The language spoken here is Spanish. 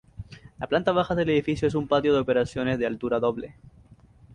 La planta baja del edificio es un patio de operaciones de altura doble.